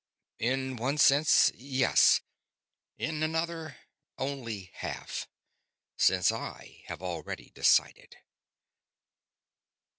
"_In one sense, yes. In another, only half, since I have already decided.